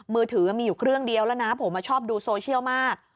มือถือมีอยู่เครื่องเดียวแล้วนะผมชอบดูโซเชียลมาก